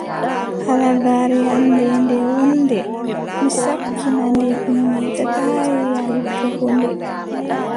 Halagaare am ndee, nde wooɗnde, mi sakkina nde, mi meetataa yaaltugo nde.